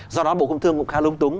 do đó bộ công thương cũng khá lung túng